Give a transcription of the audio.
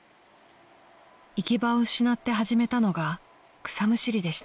［行き場を失って始めたのが草むしりでした］